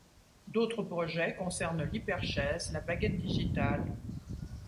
D'autres projets concernent l'hyperchaise, la baguette-digital...